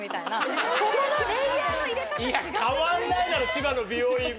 いや変わんないだろ千葉の美容院も。